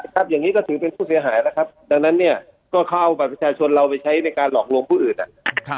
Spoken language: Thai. อย่างนี้ก็ถือเป็นผู้เสียหายแล้วครับดังนั้นเนี่ยก็เขาเอาบัตรประชาชนเราไปใช้ในการหลอกลวงผู้อื่นอ่ะ